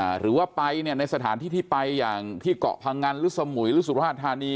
หรือว่าไปเนี่ยในสถานที่ที่ไปอย่างที่เกาะพังงันหรือสมุยหรือสุราชธานี